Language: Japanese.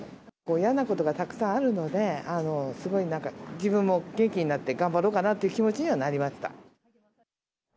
嫌なことがたくさんあるので、すごいなんか、自分も元気になって、頑張ろうかなっていう気持ちにはなりました。